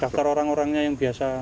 daftar orang orangnya yang biasa